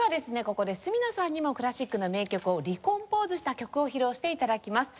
ここで角野さんにもクラシックの名曲をリコンポーズした曲を披露して頂きます。